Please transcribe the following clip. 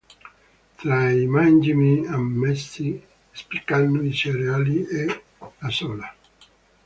Tra i mangimi ammessi spiccano i cereali e la soia.